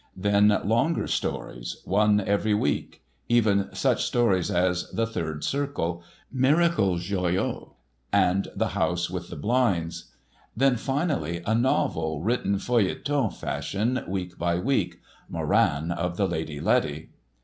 Then longer stories, one every week, even such stories as "The Third Circle," "Miracle Joyeaux," and "The House with the Blinds"; then, finally, a novel, written feuilleton fashion week by week—"Moran of the Lady Letty."